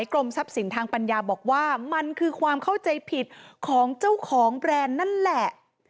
กรมทรัพย์สินทางปัญญาบอกว่ามันคือความเข้าใจผิดของเจ้าของแบรนด์นั่นแหละ